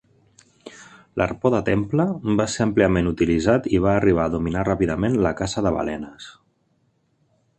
L'arpó de Temple va ser àmpliament utilitzat i va arribar a dominar ràpidament la caça de balenes.